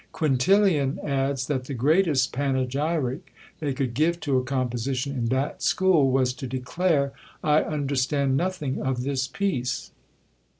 Quintilian adds, that the greatest panegyric they could give to a composition in that school was to declare, "I understand nothing of this piece."